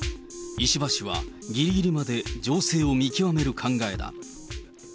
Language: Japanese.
石破氏はぎりぎりまで情勢を見極める考えだ。